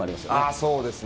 そうですね。